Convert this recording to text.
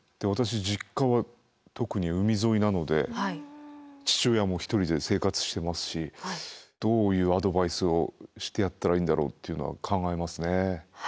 私実家は特に海沿いなので父親も一人で生活してますしどういうアドバイスをしてやったらいいんだろうっていうのは考えますね。